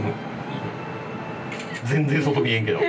全然外見えんけど。